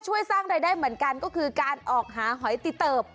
ช่วยสร้างรายได้เหมือนกันก็คือการออกหาหอยติเติบ